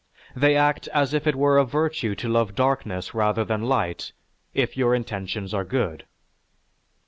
They act as if it were a virtue to love darkness rather than light if your intentions are good.